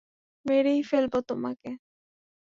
মেরেই ফেলবো তোমাকে।